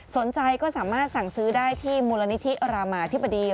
สนใจก็สามารถสั่งซื้อได้ที่มูลนิธิรามาธิบดี